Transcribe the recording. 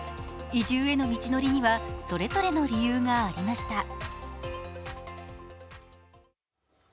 移住への道のりにはそれぞれの理由がありました。